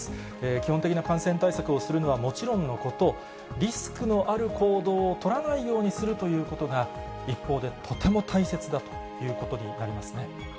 基本的な感染対策をするのはもちろんのこと、リスクのある行動を取らないようにするということが、一方でとても大切だということになりますね。